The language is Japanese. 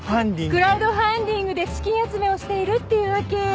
クラウドファンディングで資金集めをしているっていうわけ。